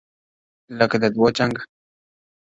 لكه د دوو جنـــــــگ’